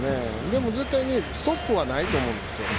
でも、絶対にストップはないと思います。